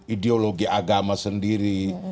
ideologi agama sendiri